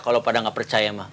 kalau pada gak percaya mak